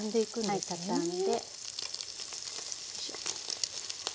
はい畳んで。